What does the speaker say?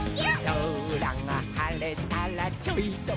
「そらがはれたらちょいとむすび」